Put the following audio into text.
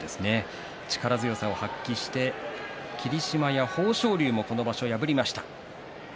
力強さを発揮して霧島や豊昇龍もこの場所、破りました。